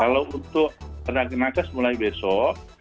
kalau untuk tenaga nakes mulai besok